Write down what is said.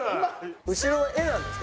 後ろの絵なんですか？